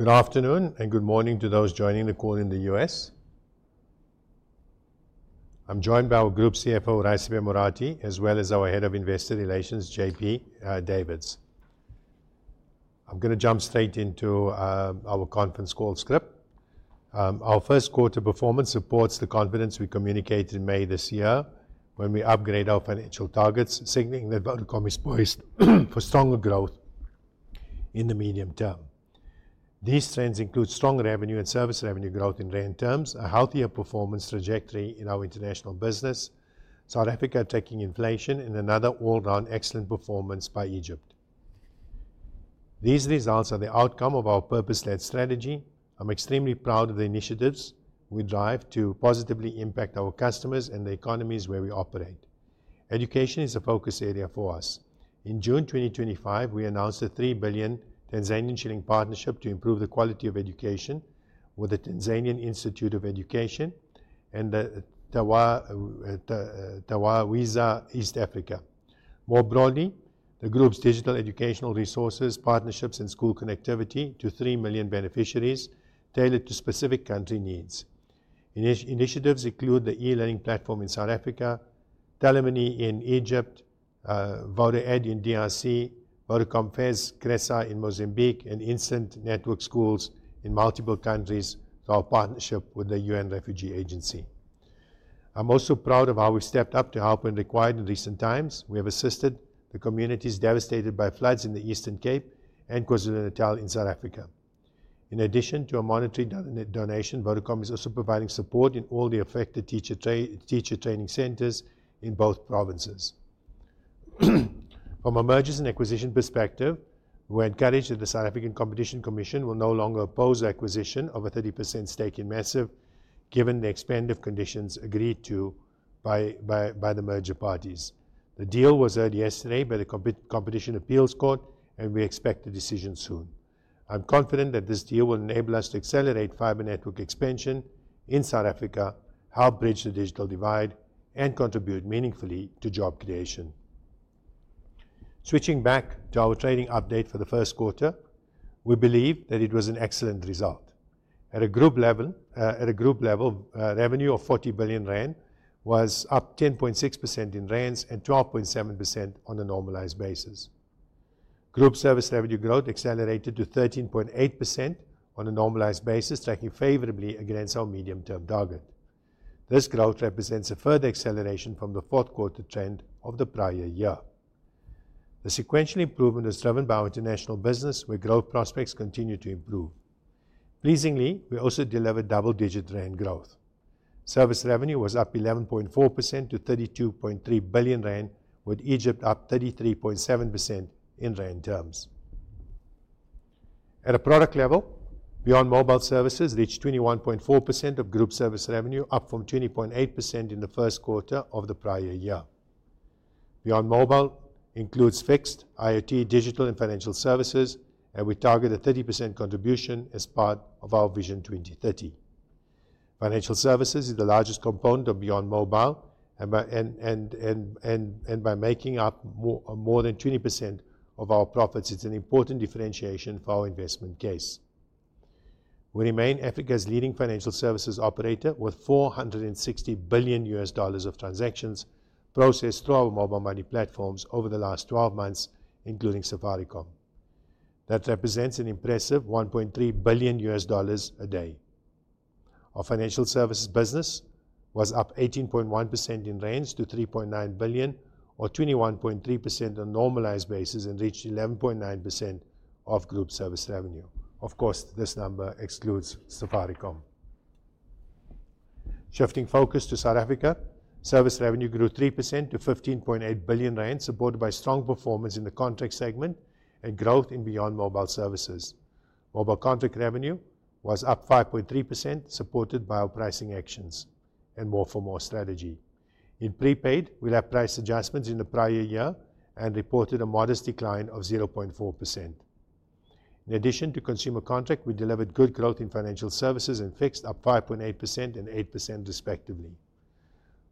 Good afternoon and good morning to those joining the call in the U.S. I'm joined by our Group CFO, Raisibe Morathi, as well as our Head of Investor Relations, JP Davids. I'm going to jump straight into our conference call script. Our first-quarter performance supports the confidence we communicated in May this year when we upgraded our financial targets, signaling that Vodacom is poised for stronger growth in the medium term. These trends include strong revenue and service revenue growth in rand terms, a healthier performance trajectory in our international business, South Africa attacking inflation, and another all-round excellent performance by Egypt. These results are the outcome of our purpose-led strategy. I'm extremely proud of the initiatives we drive to positively impact our customers and the economies where we operate. Education is a focus area for us. In June 2025, we announced a TZS 3 billion partnership to improve the quality of education with the Tanzanian Institute of Education and TAWAWIZA East Africa. More broadly, the Group's digital educational resources, partnerships, and school connectivity to 3 million beneficiaries tailored to specific country needs. Initiatives include the e-learning platform in South Africa, telemoney in Egypt, Voda.ed in Democratic Republic of the Congo, Vodacom FES Kresa in Mozambique, and Instant Network Schools in multiple countries, through our partnership with the UN Refugee Agency. I'm also proud of how we stepped up to help when required in recent times. We have assisted the communities devastated by floods in the Eastern Cape and KwaZulu-Natal in South Africa. In addition to a monetary donation, Vodacom is also providing support in all the affected teacher training centers in both provinces. From a mergers and acquisitions perspective, we're encouraged that the South African Competition Commission will no longer oppose the acquisition of a 30% stake in Massive, given the expanded conditions agreed to by the merger parties. The deal was heard yesterday by the Competition Appeals Court, and we expect a decision soon. I'm confident that this deal will enable us to accelerate fiber network expansion in South Africa, help bridge the digital divide, and contribute meaningfully to job creation. Switching back to our trading update for the first quarter, we believe that it was an excellent result at a group level. Revenue of 40 billion rand was up 10.6% in rands and 12.7% on a normalized basis. Group service revenue growth accelerated to 13.8% on a normalized basis, tracking favorably against our medium-term target. This growth represents a further acceleration from the fourth-quarter trend of the prior year. The sequential improvement was driven by our international business, where growth prospects continue to improve. Pleasingly, we also delivered double-digit rand growth. Service revenue was up 11.4% to 32.3 billion rand, with Egypt up 33.7% in rand terms. At a product level, Beyond Mobile services reached 21.4% of group service revenue, up from 20.8% in the first quarter of the prior year. Beyond Mobile includes fixed, IoT, digital, and financial services, and we target a 30% contribution as part of our Vision 2030. Financial services is the largest component of Beyond Mobile, and. By making up more than 20% of our profits, it's an important differentiation for our investment case. We remain Africa's leading financial services operator, with $460 billion of transactions processed through our mobile money platforms over the last 12 months, including Safaricom. That represents an impressive $1.3 billion a day. Our financial services business was up 18.1% in ZAR to 3.9 billion, or 21.3% on a normalized basis, and reached 11.9% of group service revenue. Of course, this number excludes Safaricom. Shifting focus to South Africa, service revenue grew 3% to 15.8 billion rand, supported by strong performance in the contract segment and growth in Beyond Mobile services. Mobile contract revenue was up 5.3%, supported by our pricing actions and more-for-more strategy. In prepaid, we had price adjustments in the prior year and reported a modest decline of 0.4%. In addition to consumer contract, we delivered good growth in financial services and fixed up 5.8% and 8% respectively.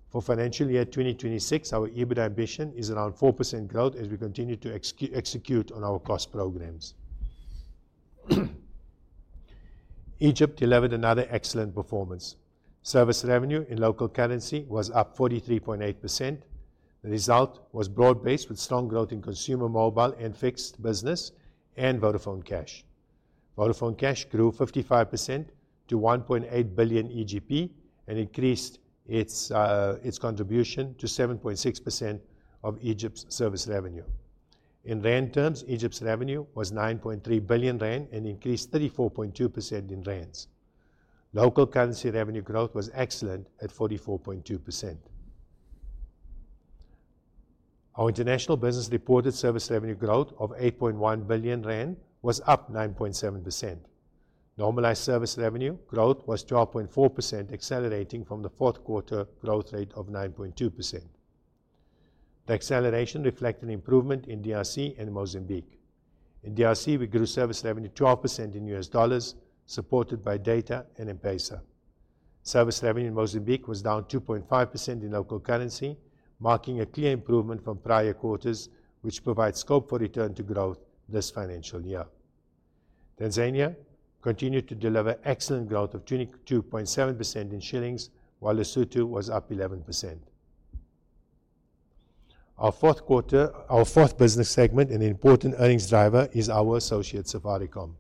For financial year 2026, our EBITDA ambition is around 4% growth as we continue to execute on our cost programs. Egypt delivered another excellent performance. Service revenue in local currency was up 43.8%. The result was broad-based with strong growth in consumer mobile and fixed business and Vodafone Cash. Vodafone Cash grew 55% to 1.8 billion EGP and increased its contribution to 7.6% of Egypt's service revenue. In ZAR terms, Egypt's revenue was 9.3 billion rand and increased 34.2% in ZAR. Local currency revenue growth was excellent at 44.2%. Our international business reported service revenue growth of 8.1 billion rand was up 9.7%. Normalized service revenue growth was 12.4%, accelerating from the fourth-quarter growth rate of 9.2%. The acceleration reflected improvement in DRC and Mozambique. In DRC, we grew service revenue 12% in us dollar, supported by data and M-Pesa. Service revenue in Mozambique was down 2.5% in local currency, marking a clear improvement from prior quarters, which provides scope for return to growth this financial year. Tanzania continued to deliver excellent growth of 22.7% in Shillings, while Lesotho was up 11%. Our fourth. Business segment and important earnings driver is our associate Safaricom.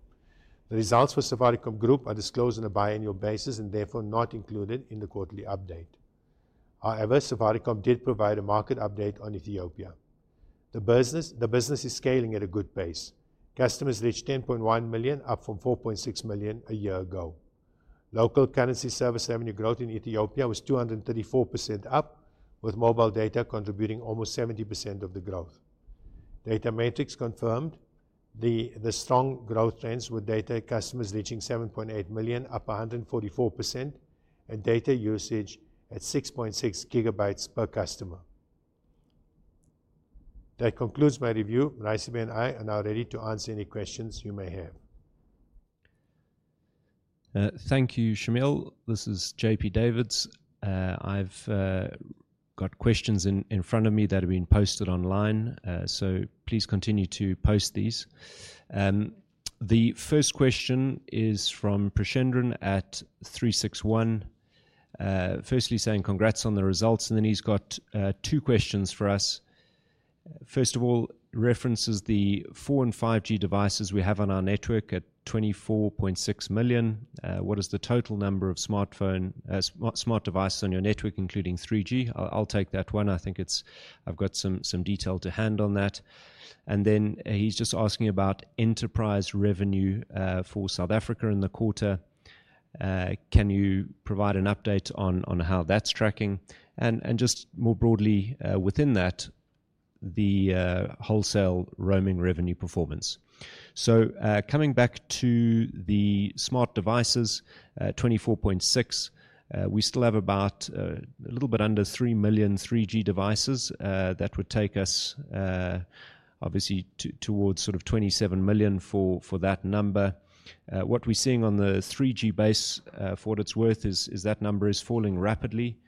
The results for Safaricom Group are disclosed on a biennial basis and therefore not included in the quarterly update. However, Safaricom did provide a market update on Ethiopia. The business is scaling at a good pace. Customers reached 10.1 million, up from 4.6 million a year ago. Local currency service revenue growth in Ethiopia was 234% up, with mobile data contributing almost 70% of the growth. Data metrics confirmed the strong growth trends, with data customers reaching 7.8 million, up 144%, and data usage at 6.6 GB per customer. That concludes my review. Raisibe and I are now ready to answer any questions you may have. Thank you, Shameel. This is JP Davids. I've got questions in front of me that have been posted online, so please continue to post these. The first question is from Prashendran at 361. Firstly saying congrats on the results, and then he's got two questions for us. First of all, references the 4G and 5G devices we have on our network at 24.6 million. What is the total number of smart devices on your network, including 3G? I'll take that one. I think I've got some detail to hand on that. And then he's just asking about enterprise revenue for South Africa in the quarter. Can you provide an update on how that's tracking? And just more broadly within that, the wholesale roaming revenue performance. Coming back to the smart devices, 24.6, we still have about a little bit under 3 million 3G devices that would take us obviously towards sort of 27 million for that number. What we're seeing on the 3G base, for what it's worth, is that number is falling rapidly,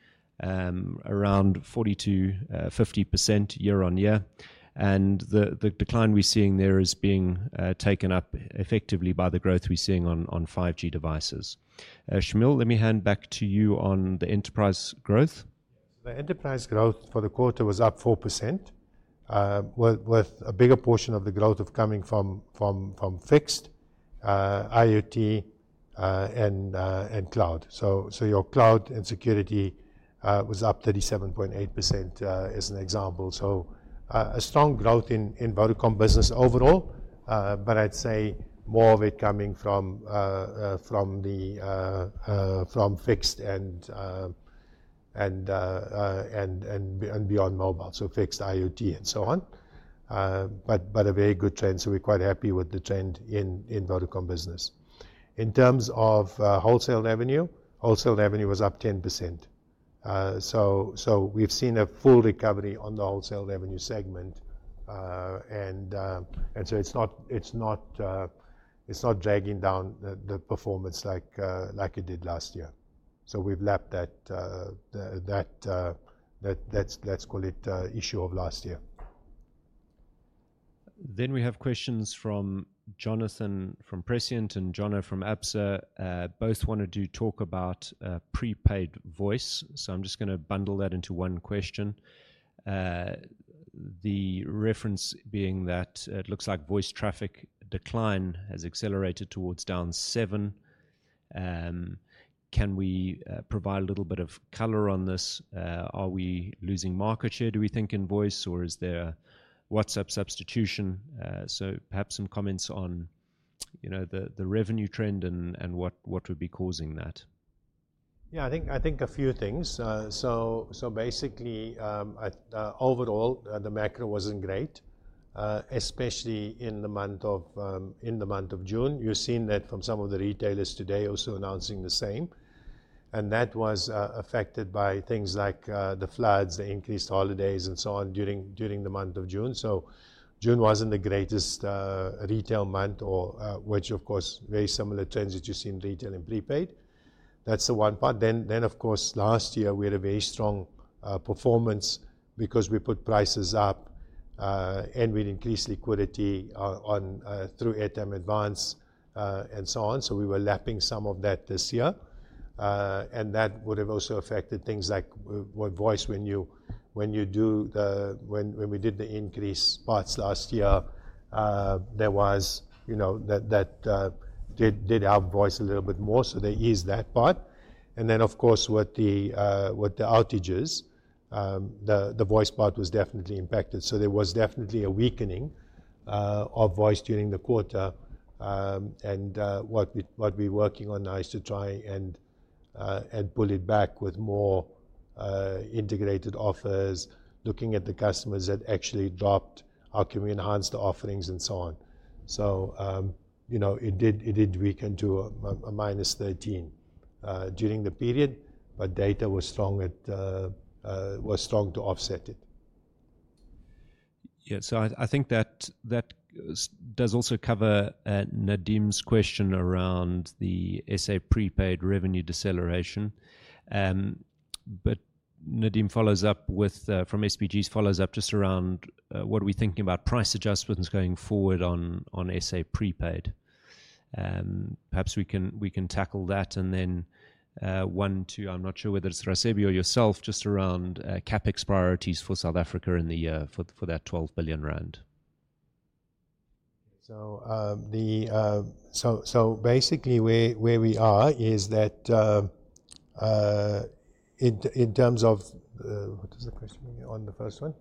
around 40%-50% year-on-year. The decline we're seeing there is being taken up effectively by the growth we're seeing on 5G devices. Shameel, let me hand back to you on the enterprise growth. The enterprise growth for the quarter was up 4%. With a bigger portion of the growth coming from fixed, IoT, and cloud. Your cloud and security was up 37.8% as an example. A strong growth in Vodacom business overall, but I'd say more of it coming from fixed and beyond mobile, so fixed, IoT, and so on. A very good trend. We're quite happy with the trend in Vodacom business. In terms of wholesale revenue, wholesale revenue was up 10%. We've seen a full recovery on the wholesale revenue segment. It is not dragging down the performance like it did last year. We've lapped that, let's call it, issue of last year. We have questions from Jonathan from Precient and Jonah from ABSA. Both wanted to talk about prepaid voice. I'm just going to bundle that into one question. The reference being that it looks like voice traffic decline has accelerated towards down 7%. Can we provide a little bit of color on this? Are we losing market share, do we think, in voice, or is there WhatsApp substitution? Perhaps some comments on the revenue trend and what would be causing that. Yeah, I think a few things. So basically, overall, the macro wasn't great. Especially in the month of June. You've seen that from some of the retailers today also announcing the same. That was affected by things like the floods, the increased holidays, and so on during the month of June. June wasn't the greatest retail month, which, of course, very similar trends that you see in retail and prepaid. That's the one part. Then, of course, last year, we had a very strong performance because we put prices up. We increased liquidity through Airtime Advance and so on. We were lapping some of that this year. That would have also affected things like voice when you do, when we did the increase parts last year. That did help voice a little bit more, so they eased that part. Then, of course, with the outages, the voice part was definitely impacted. There was definitely a weakening of voice during the quarter. What we're working on now is to try and pull it back with more integrated offers, looking at the customers that actually dropped, how can we enhance the offerings, and so on. It did weaken to a minus 13% during the period, but data was strong to offset it. Yeah, so I think that does also cover Nadeem's question around the SA prepaid revenue deceleration. Nadeem follows up from SPGs, follows up just around what are we thinking about price adjustments going forward on SA prepaid. Perhaps we can tackle that. One to, I'm not sure whether it's Raisibe or yourself, just around CapEx priorities for South Africa for that 12 billion rand. Basically, where we are is that. In terms of. What was the question on the first one?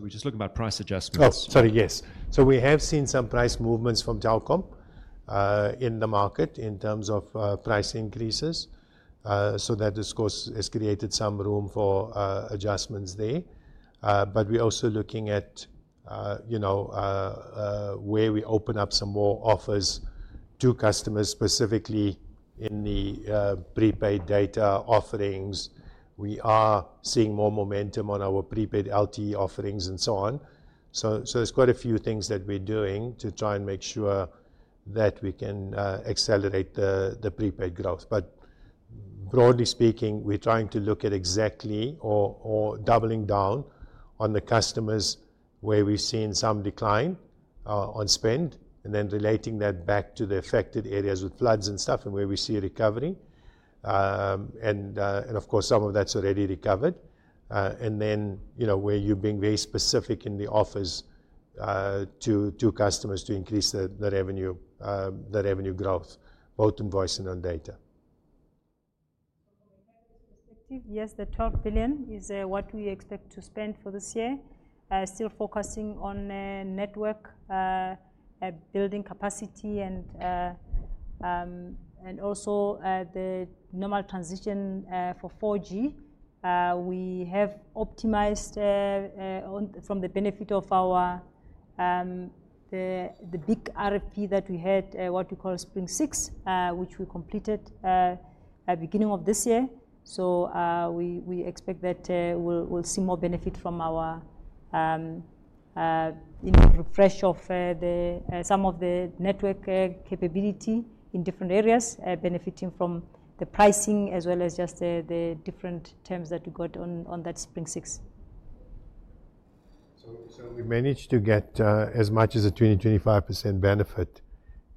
We're just looking about price adjustments. Oh, sorry, yes. We have seen some price movements from Telkom in the market in terms of price increases. That, of course, has created some room for adjustments there. We're also looking at where we open up some more offers to customers, specifically in the prepaid data offerings. We are seeing more momentum on our prepaid LTE offerings and so on. There are quite a few things that we're doing to try and make sure that we can accelerate the prepaid growth. Broadly speaking, we're trying to look at exactly or doubling down on the customers where we've seen some decline on spend, and then relating that back to the affected areas with floods and stuff and where we see recovery. Of course, some of that's already recovered. We're being very specific in the offers to customers to increase the revenue growth, both in voice and on data. From a capital perspective, yes, the 12 billion is what we expect to spend for this year. Still focusing on network, building capacity and also the normal transition for 4G. We have optimized from the benefit of our, the big RFP that we had, what we call Spring 6, which we completed at the beginning of this year. We expect that we'll see more benefit from our refresh of some of the network capability in different areas, benefiting from the pricing as well as just the different terms that we got on that Spring 6. We managed to get as much as a 20%-25% benefit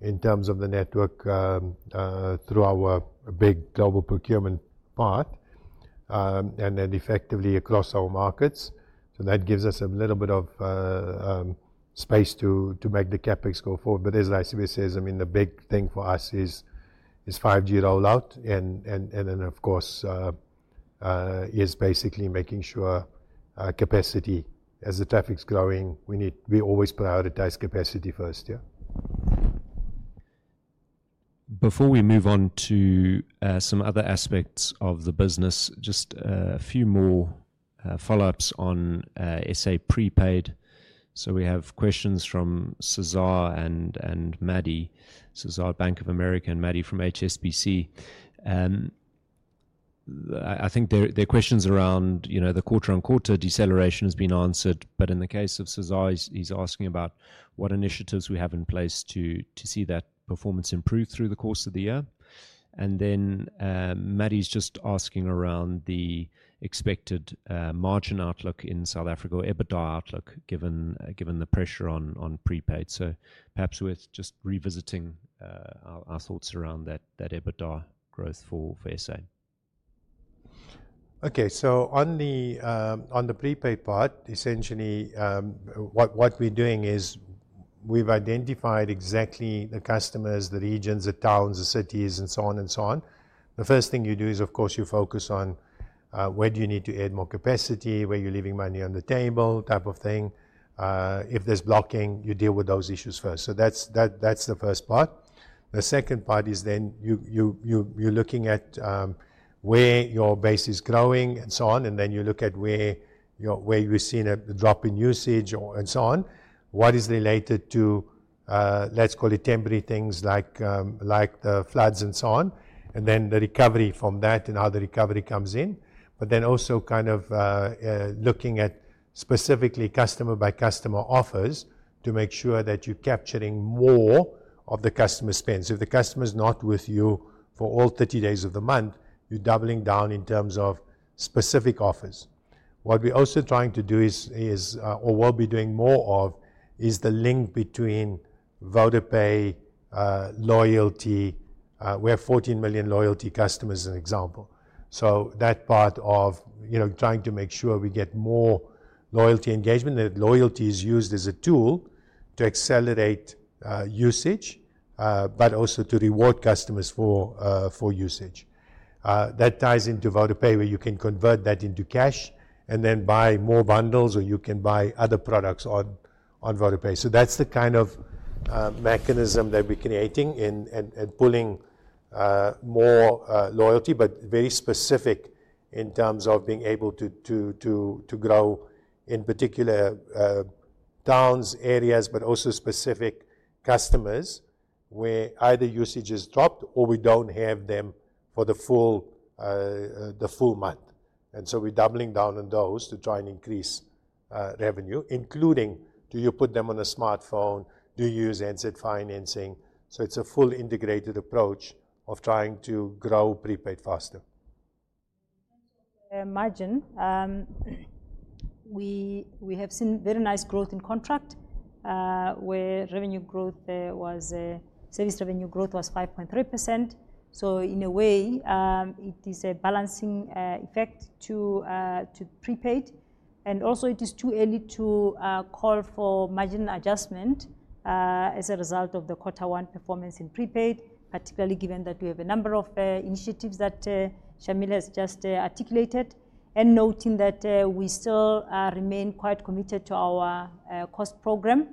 in terms of the network through our big global procurement part. Then effectively across our markets, that gives us a little bit of space to make the CapEx go forward. As Raisibe says, I mean, the big thing for us is 5G rollout. Of course, it is basically making sure capacity, as the traffic's growing, we always prioritize capacity first, yeah. Before we move on to some other aspects of the business, just a few more follow-ups on SA prepaid. We have questions from Sazaar and Maddie. Sazaar from Bank of America and Maddie from HSBC. I think their questions around the quarter-on-quarter deceleration have been answered. In the case of Sazaar, he's asking about what initiatives we have in place to see that performance improve through the course of the year. Maddie's just asking around the expected margin outlook in South Africa, EBITDA outlook, given the pressure on prepaid. Perhaps we're just revisiting our thoughts around that EBITDA growth for SA. Okay, so on the prepaid part, essentially what we're doing is we've identified exactly the customers, the regions, the towns, the cities, and so on and so on. The first thing you do is, of course, you focus on where do you need to add more capacity, where you're leaving money on the table, type of thing. If there's blocking, you deal with those issues first. That's the first part. The second part is then you're looking at where your base is growing and so on. Then you look at where you've seen a drop in usage and so on. What is related to, let's call it, temporary things like the floods and so on, and then the recovery from that and how the recovery comes in. Also, kind of looking at specifically customer-by-customer offers to make sure that you're capturing more of the customer spend. If the customer's not with you for all 30 days of the month, you're doubling down in terms of specific offers. What we're also trying to do is, or will be doing more of, is the link between Vodapay, loyalty. We have 14 million loyalty customers, an example. That part of trying to make sure we get more loyalty engagement, that loyalty is used as a tool to accelerate usage, but also to reward customers for usage. That ties into Vodapay, where you can convert that into cash and then buy more bundles, or you can buy other products on Vodapay. That's the kind of mechanism that we're creating and pulling more loyalty, but very specific in terms of being able to grow in particular towns, areas, but also specific customers where either usage is dropped or we don't have them for the full month. We're doubling down on those to try and increase revenue, including do you put them on a smartphone, do you use handset financing. It's a full integrated approach of trying to grow prepaid faster. In terms of margin. We have seen very nice growth in contract. Where revenue growth was. Service revenue growth was 5.3%. In a way, it is a balancing effect to prepaid. It is too early to call for margin adjustment as a result of the quarter one performance in prepaid, particularly given that we have a number of initiatives that Shameel has just articulated. Noting that we still remain quite committed to our cost program.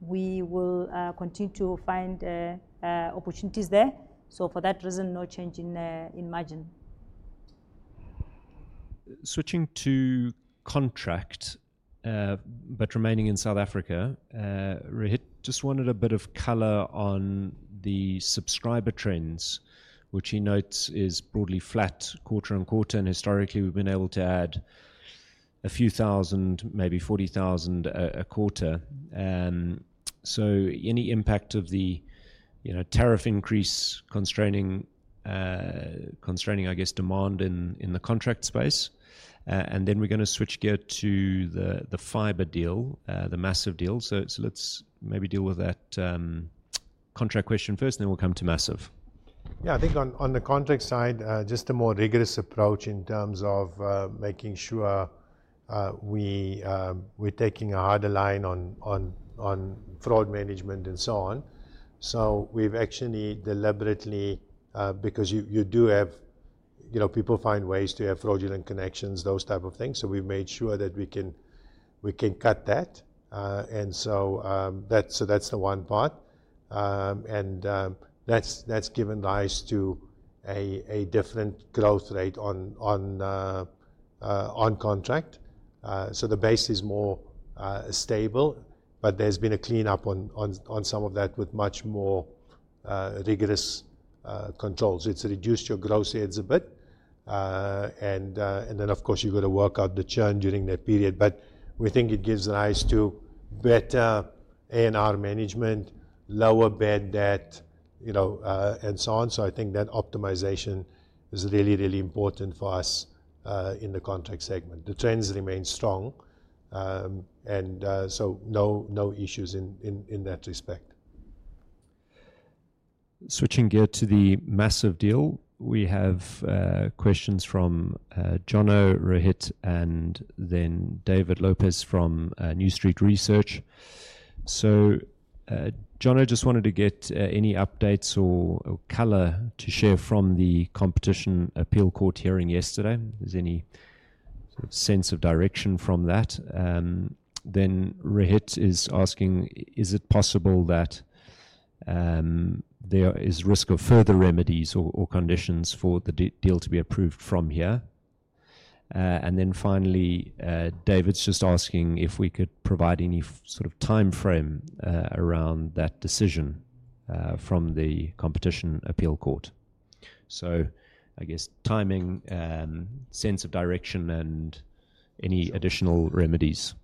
We will continue to find opportunities there. For that reason, no change in margin. Switching to contract, but remaining in South Africa. Rohit just wanted a bit of color on the subscriber trends, which he notes is broadly flat quarter-on-quarter. Historically, we've been able to add a few thousand, maybe 40,000 a quarter. Any impact of the tariff increase constraining, I guess, demand in the contract space? We are going to switch gear to the fiber deal, the Massive deal. Let's maybe deal with that contract question first, and then we'll come to Massive. Yeah, I think on the contract side, just a more rigorous approach in terms of making sure. We're taking a harder line on fraud management and so on. We've actually deliberately, because you do have people find ways to have fraudulent connections, those type of things. We've made sure that we can cut that. That's the one part. That's given rise to a different growth rate on contract. The base is more stable, but there's been a cleanup on some of that with much more rigorous controls. It's reduced your gross heads a bit. Of course, you've got to work out the churn during that period. We think it gives rise to better A&R management, lower bad debt, and so on. I think that optimization is really, really important for us. In the contract segment, the trends remain strong. No issues in that respect. Switching gear to the Massive deal, we have questions from John, Rohit, and then David Lopez from New Street Research. John O just wanted to get any updates or color to share from the Competition Appeal Court hearing yesterday. If there's any sense of direction from that. Rohit is asking, is it possible that there is risk of further remedies or conditions for the deal to be approved from here? Finally, David's just asking if we could provide any sort of time frame around that decision from the Competition Appeal Court. I guess timing, sense of direction, and any additional remedies.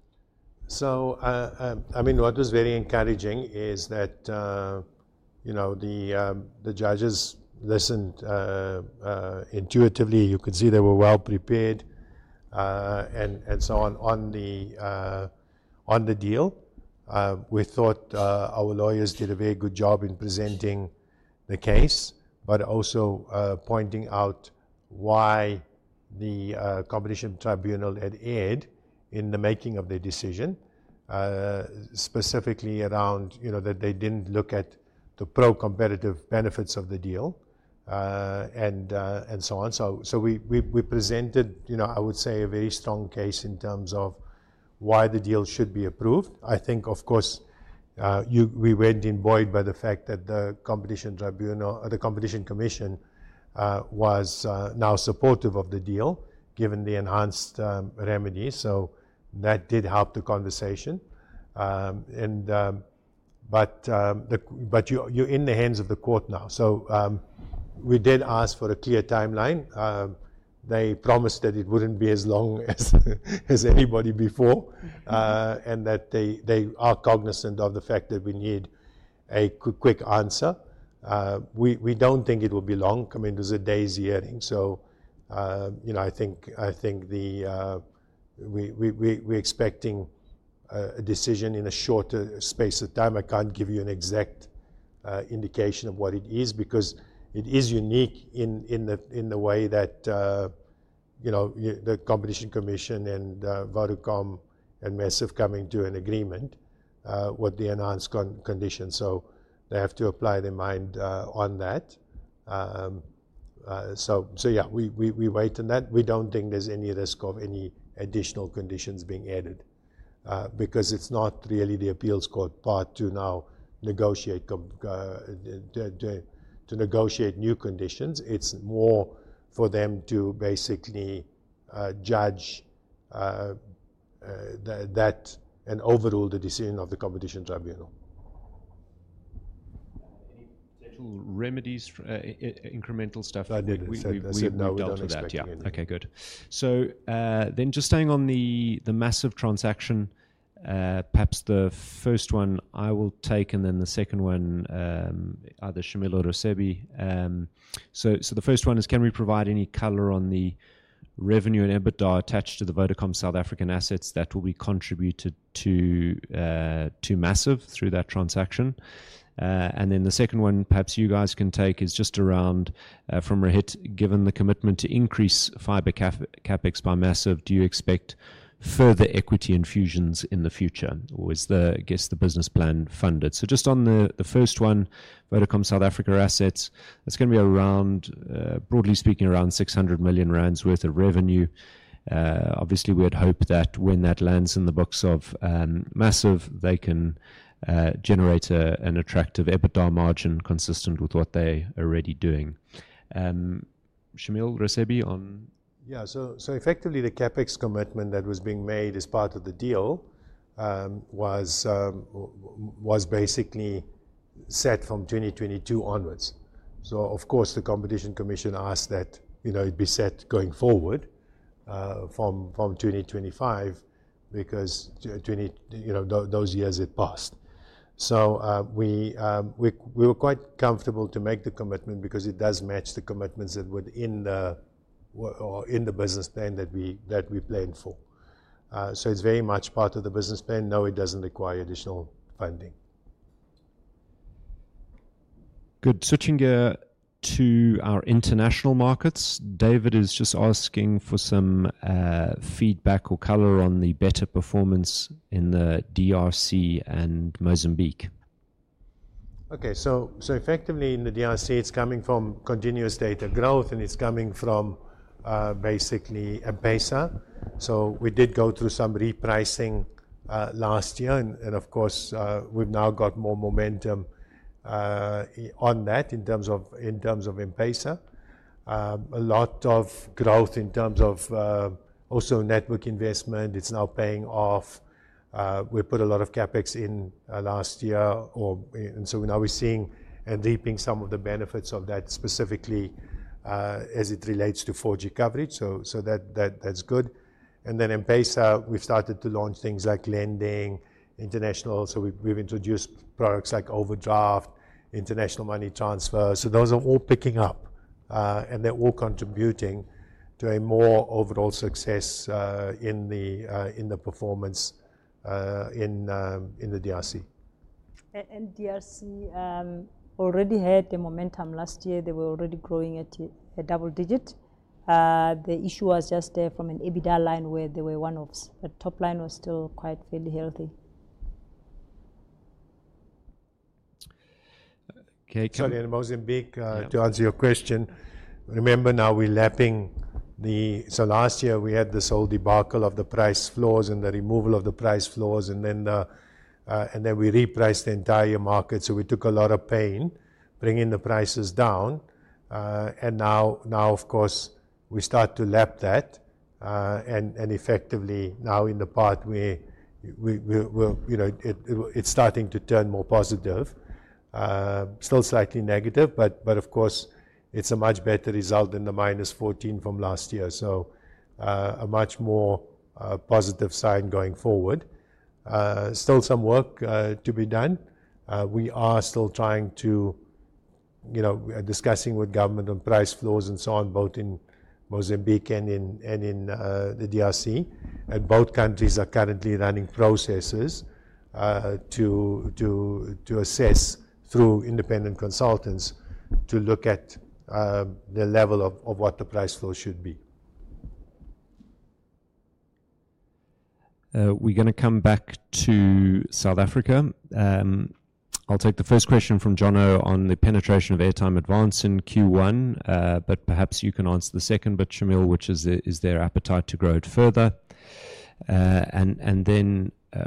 I mean, what was very encouraging is that the judges listened. Intuitively, you could see they were well prepared and so on. On the deal, we thought our lawyers did a very good job in presenting the case, but also pointing out why the competition tribunal had erred in the making of their decision, specifically around that they did not look at the pro-competitive benefits of the deal and so on. We presented, I would say, a very strong case in terms of why the deal should be approved. I think, of course, we went in buoyed by the fact that the competition commission was now supportive of the deal, given the enhanced remedies. That did help the conversation. You are in the hands of the court now. We did ask for a clear timeline. They promised that it would not be as long as anybody before and that they are cognizant of the fact that we need a quick answer. We do not think it will be long. I mean, it was a day's hearing. I think we are expecting a decision in a shorter space of time. I cannot give you an exact indication of what it is because it is unique in the way that the competition commission and Vodacom and Massive are coming to an agreement with the enhanced conditions. They have to apply their mind on that. We wait on that. We do not think there is any risk of any additional conditions being added because it is not really the appeals court's part to now negotiate new conditions. It is more for them to basically judge that and overrule the decision of the competition tribunal. Any potential remedies? Incremental stuff? I didn't. I said no to that. Yeah. Okay, good. Just staying on the Massive transaction. Perhaps the first one I will take and then the second one. Either Shameel or Raisibe. The first one is, can we provide any color on the revenue and EBITDA attached to the Vodacom South Africa assets that will be contributed to Massive through that transaction? The second one perhaps you guys can take is just around, from Rohit, given the commitment to increase fiber CapEx by Massive, do you expect further equity infusions in the future or is the business plan funded? Just on the first one, Vodacom South Africa assets, that is going to be around, broadly speaking, around 600 million rand worth of revenue. Obviously, we would hope that when that lands in the books of Massive, they can generate an attractive EBITDA margin consistent with what they are already doing. Shameel, Raisibe on? Yeah, so effectively, the CapEx commitment that was being made as part of the deal was basically set from 2022 onwards. Of course, the competition commission asked that it be set going forward from 2025 because those years had passed. We were quite comfortable to make the commitment because it does match the commitments that were in the business plan that we planned for. It is very much part of the business plan. No, it does not require additional funding. Good. Switching gear to our international markets. David is just asking for some feedback or color on the better performance in the DRC and Mozambique. Okay, so effectively in the DRC, it's coming from continuous data growth and it's coming from basically M-Pesa. We did go through some repricing last year. Of course, we've now got more momentum on that in terms of M-Pesa. A lot of growth in terms of also network investment. It's now paying off. We put a lot of CapEx in last year, and now we're seeing and reaping some of the benefits of that specifically as it relates to 4G coverage. That's good. M-Pesa, we've started to launch things like lending, international. We've introduced products like Overdraft, international money transfer. Those are all picking up, and they're all contributing to a more overall success in the performance in the DRC. DRC already had the momentum last year. They were already growing at a double digit. The issue was just from an EBITDA line where the top line was still quite fairly healthy. Okay, coming in Mozambique to answer your question. Remember now we're lapping the. Last year we had this whole debacle of the price floors and the removal of the price floors. We repriced the entire market. We took a lot of pain bringing the prices down. Now, of course, we start to lap that. Effectively now in the part where it's starting to turn more positive. Still slightly negative, but of course, it's a much better result than the -14% from last year. A much more positive sign going forward. Still some work to be done. We are still trying to discuss with government on price floors and so on, both in Mozambique and in the DRC. Both countries are currently running processes to assess through independent consultants to look at the level of what the price floor should be. We're going to come back to South Africa. I'll take the first question from John O on the penetration of Airtime Advance in Q1, but perhaps you can answer the second, Shameel, which is their appetite to grow it further.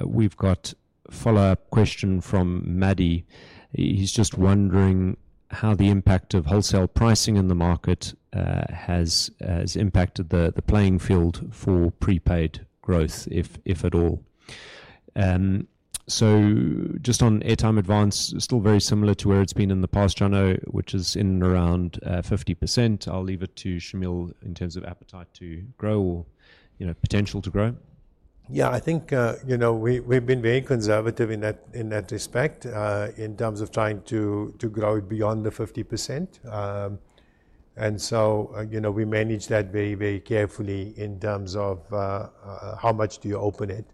We've got a follow-up question from Maddie. He's just wondering how the impact of wholesale pricing in the market has impacted the playing field for prepaid growth, if at all. Just on Airtime Advance, still very similar to where it's been in the past, John O, which is in and around 50%. I'll leave it to Shameel in terms of appetite to grow or potential to grow. Yeah, I think. We've been very conservative in that respect in terms of trying to grow it beyond the 50%. We manage that very, very carefully in terms of how much do you open it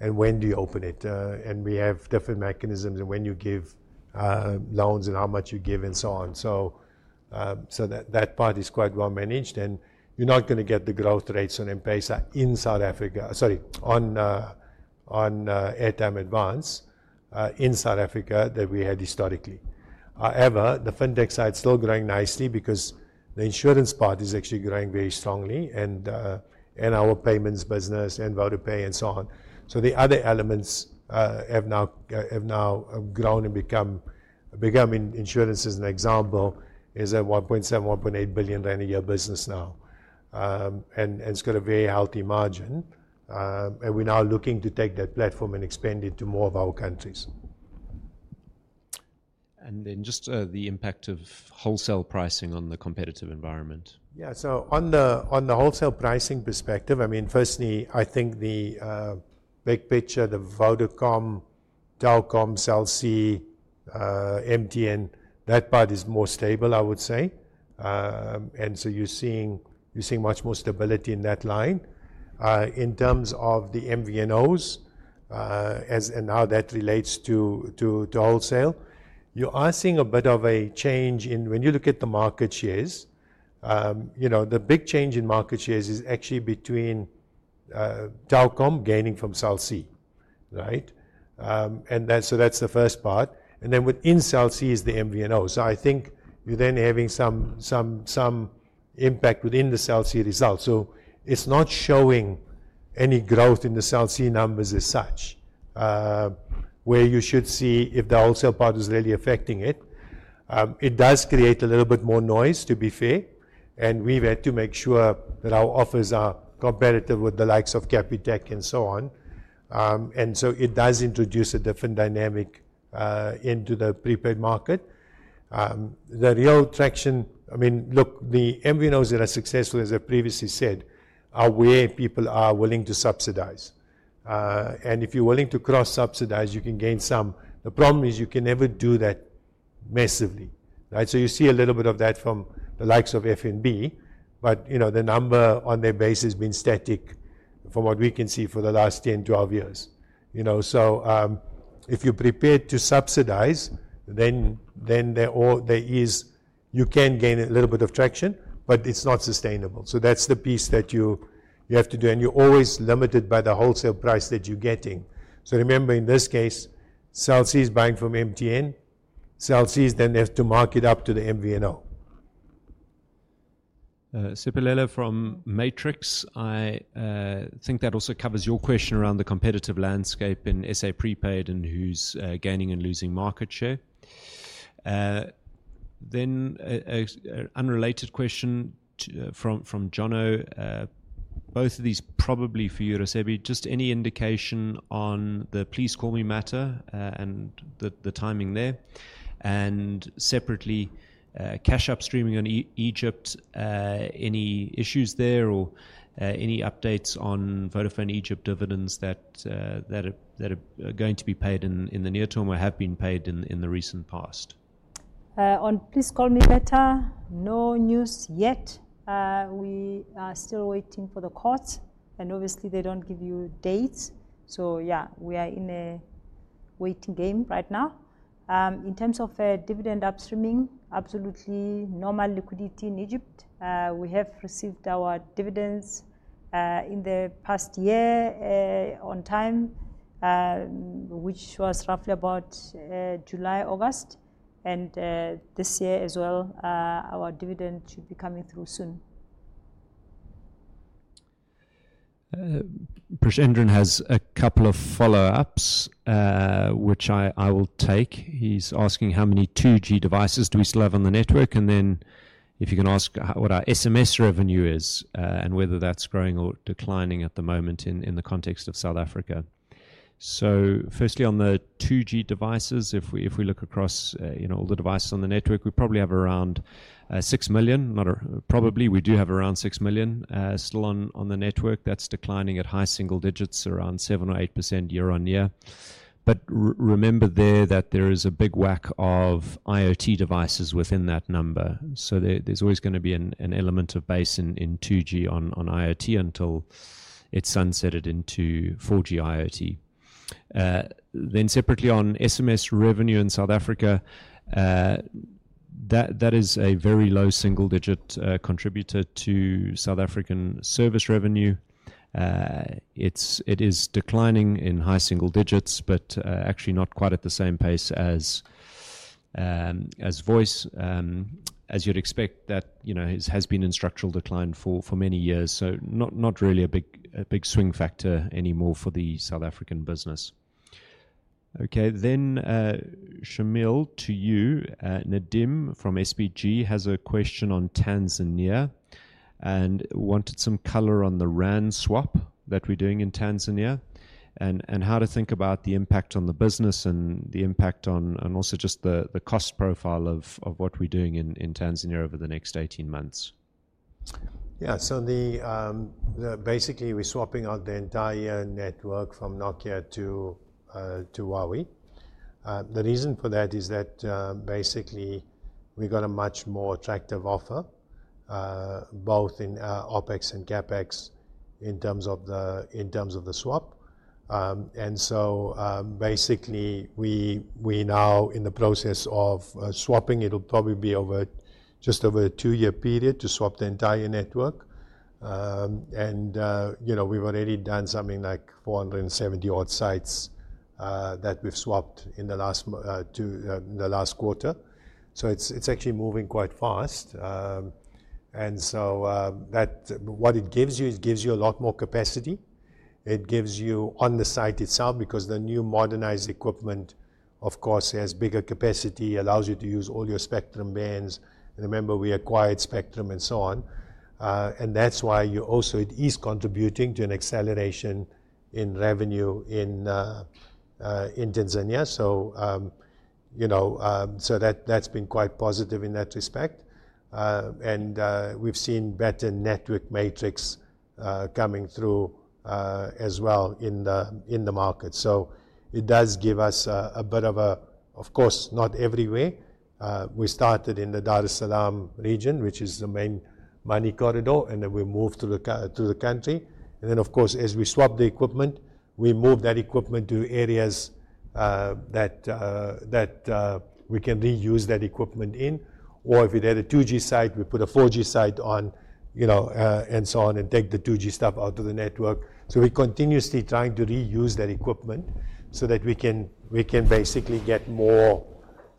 and when do you open it. We have different mechanisms and when you give loans and how much you give and so on. That part is quite well managed. You're not going to get the growth rates on M-Pesa in South Africa, sorry, on Airtime Advance in South Africa that we had historically. However, the fintech side is still growing nicely because the insurance part is actually growing very strongly and our payments business and Vodapay and so on. The other elements have now grown and become. Insurance as an example is at 1.7 billion-1.8 billion rand a year business now. It's got a very healthy margin. We're now looking to take that platform and expand it to more of our countries. Just the impact of wholesale pricing on the competitive environment. Yeah, so on the wholesale pricing perspective, I mean, firstly, I think the big picture, the Vodacom, Telkom, CLC, MTN, that part is more stable, I would say. You are seeing much more stability in that line. In terms of the MVNOs and how that relates to wholesale, you are seeing a bit of a change in when you look at the market shares. The big change in market shares is actually between Telkom gaining from CLC, right? That is the first part. Then within CLC is the MVNOs. I think you are then having some impact within the CLC result. It is not showing any growth in the CLC numbers as such, where you should see if the wholesale part is really affecting it. It does create a little bit more noise, to be fair. We have had to make sure that our offers are competitive with the likes of Capitec and so on. It does introduce a different dynamic into the prepaid market. The real traction, I mean, look, the MVNOs that are successful, as I previously said, are where people are willing to subsidize. If you are willing to cross-subsidize, you can gain some. The problem is you can never do that massively, right? You see a little bit of that from the likes of FNB, but the number on their base has been static from what we can see for the last 10-12 years. If you are prepared to subsidize, then you can gain a little bit of traction, but it is not sustainable. That is the piece that you have to do. You are always limited by the wholesale price that you are getting. Remember, in this case, CLC is buying from MTN. CLC is then there to market up to the MVNO. Sipilele from Matrix. I think that also covers your question around the competitive landscape in SA Prepaid and who's gaining and losing market share. An unrelated question from John O. Both of these probably for you, Raisibe. Just any indication on the Please Call Me matter and the timing there? Separately, Cash App streaming in Egypt, any issues there or any updates on Vodafone Egypt dividends that are going to be paid in the near term or have been paid in the recent past? On Please Call Me matter, no news yet. We are still waiting for the courts. Obviously, they do not give you dates. Yeah, we are in a waiting game right now. In terms of dividend upstreaming, absolutely normal liquidity in Egypt. We have received our dividends in the past year on time, which was roughly about July, August. This year as well, our dividend should be coming through soon. Prashendran has a couple of follow-ups, which I will take. He's asking how many 2G devices do we still have on the network? If you can ask what our SMS revenue is and whether that's growing or declining at the moment in the context of South Africa. Firstly, on the 2G devices, if we look across all the devices on the network, we probably have around 6 million, probably. We do have around 6 million still on the network. That's declining at high single digits, around 7% or 8% year-on-year. Remember there that there is a big whack of IoT devices within that number. There's always going to be an element of base in 2G on IoT until it's sunsetted into 4G IoT. Separately, on SMS revenue in South Africa, that is a very low single digit contributor to South African service revenue. It is declining in high single digits, but actually not quite at the same pace as voice. As you'd expect, that has been in structural decline for many years. Not really a big swing factor anymore for the South African business. Okay, Shameel, to you. Nadeem from SPG has a question on Tanzania and wanted some color on the RAN swap that we're doing in Tanzania and how to think about the impact on the business and the impact on also just the cost profile of what we're doing in Tanzania over the next 18 months. Yeah, so. Basically, we're swapping out the entire network from Nokia to Huawei. The reason for that is that basically we've got a much more attractive offer, both in OpEx and CapEx in terms of the swap. And so basically, we are now in the process of swapping, it'll probably be just over a two-year period to swap the entire network. And we've already done something like 470-odd sites that we've swapped in the last quarter. So it's actually moving quite fast. What it gives you, it gives you a lot more capacity. It gives you on the site itself because the new modernized equipment, of course, has bigger capacity, allows you to use all your spectrum bands. And remember, we acquired spectrum and so on. That's why you also, it is contributing to an acceleration in revenue in Tanzania. That's been quite positive in that respect. We've seen better network metrics coming through as well in the market. It does give us a bit of a, of course, not everywhere. We started in the Dar es Salaam region, which is the main money corridor, and then we moved to the country. Of course, as we swapped the equipment, we moved that equipment to areas that we can reuse that equipment in. Or if we had a 2G site, we put a 4G site on and so on and take the 2G stuff out of the network. We're continuously trying to reuse that equipment so that we can basically get more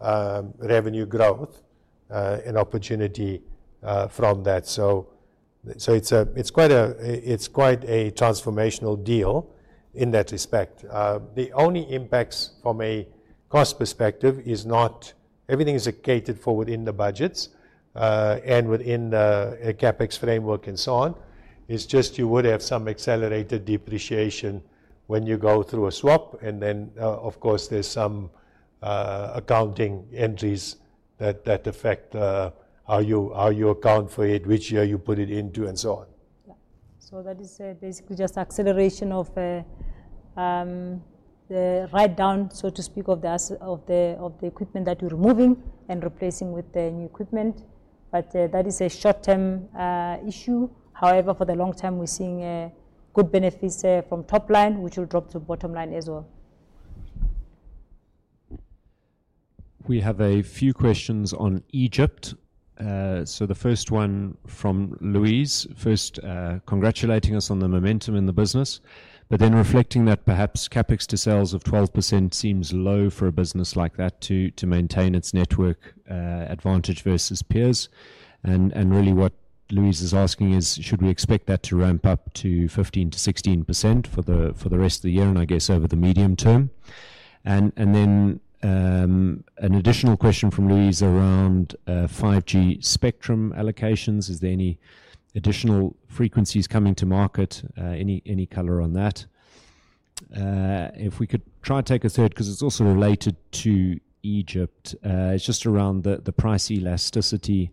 revenue growth and opportunity from that. It's quite a transformational deal in that respect. The only impacts from a cost perspective is not everything is accounted for within the budgets and within the CapEx framework and so on. It's just you would have some accelerated depreciation when you go through a swap. Then, of course, there's some accounting entries that affect how you account for it, which year you put it into, and so on. Yeah. That is basically just acceleration of the write-down, so to speak, of the equipment that you're removing and replacing with the new equipment. That is a short-term issue. However, for the long-term, we're seeing good benefits from top line, which will drop to bottom line as well. We have a few questions on Egypt. The first one from Louise, first congratulating us on the momentum in the business, but then reflecting that perhaps CapEx to sales of 12% seems low for a business like that to maintain its network advantage versus peers. What Louise is asking is, should we expect that to ramp up to 15%-16% for the rest of the year and I guess over the medium term? An additional question from Louise around 5G spectrum allocations. Is there any additional frequencies coming to market? Any color on that? If we could try to take a third because it is also related to Egypt, it is just around the price elasticity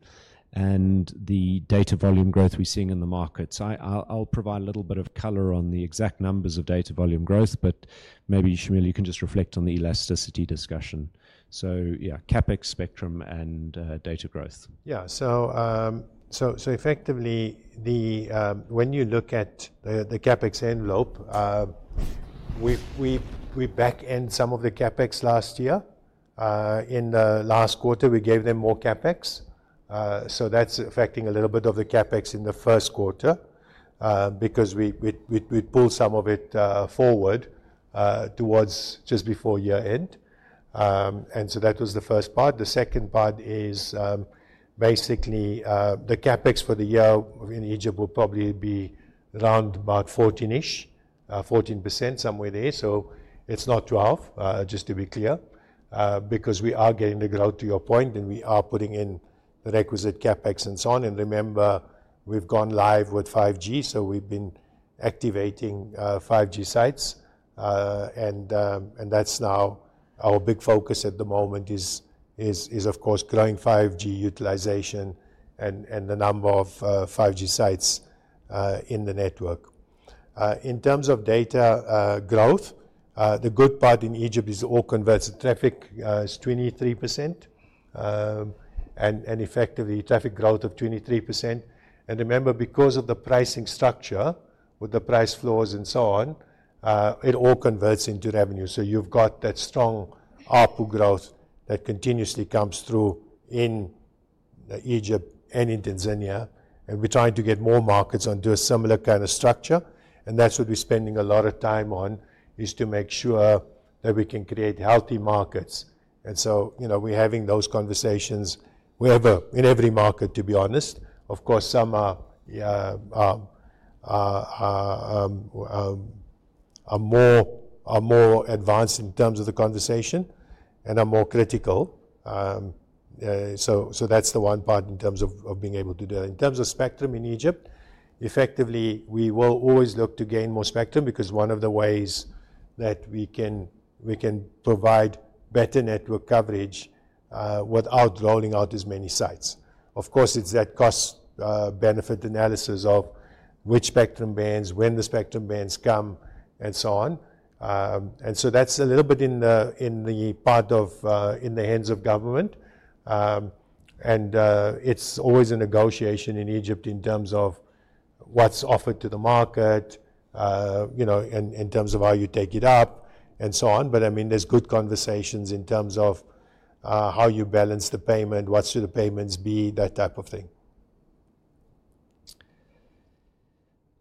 and the data volume growth we are seeing in the market. I will provide a little bit of color on the exact numbers of data volume growth, but maybe Shameel, you can just reflect on the elasticity discussion. CapEx, spectrum, and data growth. Yeah. So. Effectively. When you look at the CapEx envelope. We back-end some of the CapEx last year. In the last quarter, we gave them more CapEx. That is affecting a little bit of the CapEx in the first quarter because we pulled some of it forward. Towards just before year-end. That was the first part. The second part is. Basically the CapEx for the year in Egypt will probably be around about 14 ich, 14% somewhere there. It is not 12%, just to be clear, because we are getting the growth to your point and we are putting in the requisite CapEx and so on. Remember, we have gone live with 5G, so we have been activating 5G sites. That is now our big focus at the moment. Of course, growing 5G utilization and the number of 5G sites in the network. In terms of data growth, the good part in Egypt is all converts. The traffic is 23%. Effectively, traffic growth of 23%. Remember, because of the pricing structure with the price floors and so on, it all converts into revenue. You have that strong ARPU growth that continuously comes through in Egypt and in Tanzania. We are trying to get more markets onto a similar kind of structure. That is what we are spending a lot of time on, to make sure that we can create healthy markets. We are having those conversations in every market, to be honest. Of course, some are more advanced in terms of the conversation and are more critical. That is the one part in terms of being able to do that. In terms of spectrum in Egypt, effectively, we will always look to gain more spectrum because one of the ways that we can provide better network coverage without rolling out as many sites. Of course, it is that cost-benefit analysis of which spectrum bands, when the spectrum bands come, and so on. That is a little bit in the hands of government. It is always a negotiation in Egypt in terms of what is offered to the market, in terms of how you take it up and so on. I mean, there are good conversations in terms of how you balance the payment, what should the payments be, that type of thing.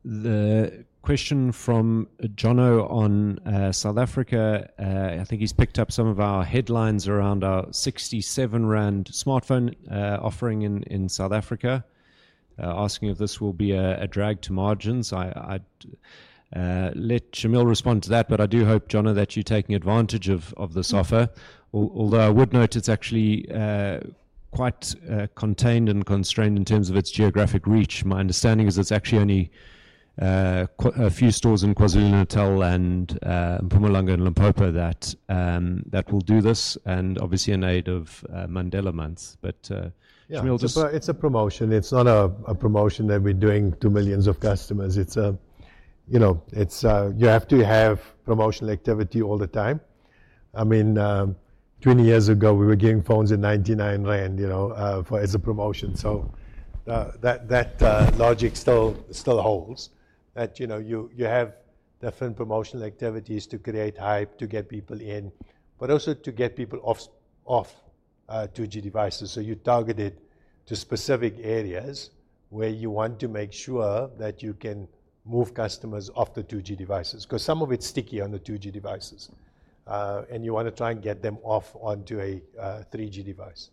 The question from John O on South Africa, I think he's picked up some of our headlines around our 67 rand smartphone offering in South Africa. Asking if this will be a drag to margins. I. Let Shameel respond to that, but I do hope, John O, that you're taking advantage of this offer. Although I would note it's actually. Quite contained and constrained in terms of its geographic reach. My understanding is it's actually only. A few stores in KwaZulu-Natal and Mpumalanga and Limpopo that. Will do this and obviously in aid of Mandela months. But Shameel just. It's a promotion. It's not a promotion that we're doing to millions of customers. You have to have promotional activity all the time. I mean, 20 years ago, we were giving phones at 99 rand as a promotion. That logic still holds. You have different promotional activities to create hype, to get people in, but also to get people off 2G devices. You target it to specific areas where you want to make sure that you can move customers off the 2G devices because some of it's sticky on the 2G devices. You want to try and get them off onto a 3G device.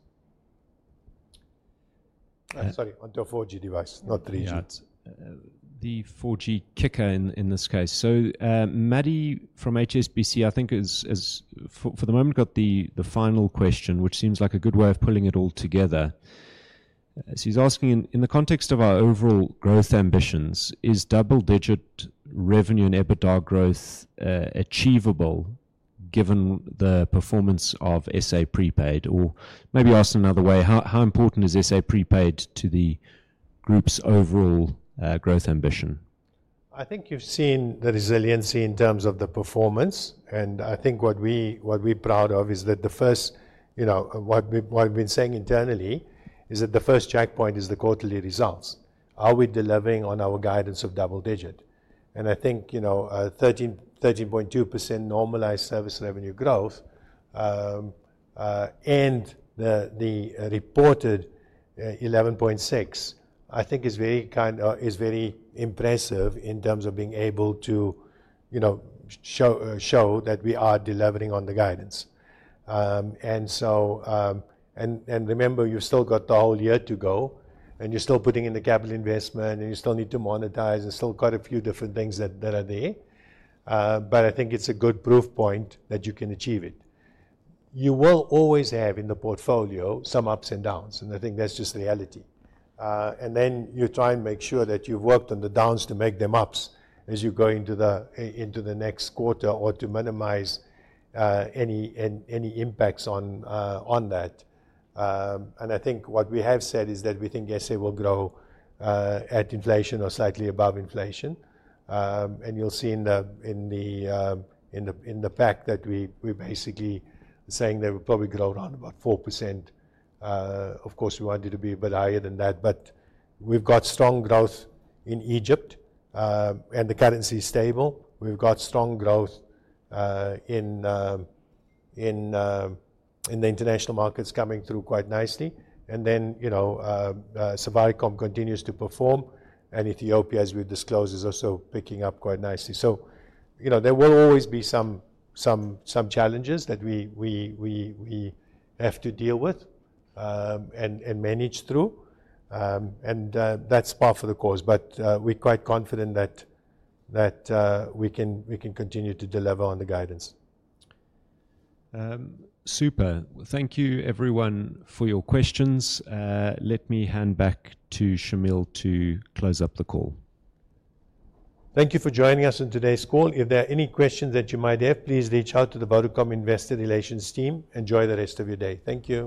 Sorry, onto a 4G device, not 3G. The 4G kicker in this case. Maddie from HSBC, I think, has for the moment got the final question, which seems like a good way of pulling it all together. He is asking, in the context of our overall growth ambitions, is double-digit revenue and EBITDA growth achievable given the performance of SA Prepaid? Or maybe asked another way, how important is SA Prepaid to the group's overall growth ambition? I think you've seen the resiliency in terms of the performance. I think what we're proud of is that the first. What we've been saying internally is that the first checkpoint is the quarterly results. Are we delivering on our guidance of double-digit? I think. 13.2% normalized service revenue growth. The reported. 11.6%, I think, is very. Impressive in terms of being able to. Show that we are delivering on the guidance. Remember, you've still got the whole year to go, and you're still putting in the capital investment, and you still need to monetize, and still quite a few different things that are there. I think it's a good proof point that you can achieve it. You will always have in the portfolio some ups and downs, and I think that's just reality. You try and make sure that you've worked on the downs to make them ups as you go into the next quarter or to minimize. Any impacts on that. I think what we have said is that we think SA will grow. At inflation or slightly above inflation. You'll see in the. Fact that we're basically saying that we'll probably grow around about 4%. Of course, we wanted to be a bit higher than that, but we've got strong growth in Egypt, and the currency is stable. We've got strong growth. In. The international markets coming through quite nicely. Safaricom continues to perform, and Ethiopia, as we've disclosed, is also picking up quite nicely. There will always be some. Challenges that. We have to deal with. And manage through. That's par for the course. We're quite confident that. We can continue to deliver on the guidance. Super. Thank you, everyone, for your questions. Let me hand back to Shameel to close up the call. Thank you for joining us on today's call. If there are any questions that you might have, please reach out to the Vodacom investor relations team. Enjoy the rest of your day. Thank you.